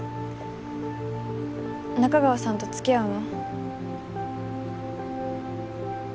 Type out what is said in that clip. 仲川さんとつきあうの？